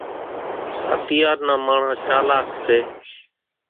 اتيار نان ماڻۿان چالاڪ سي۔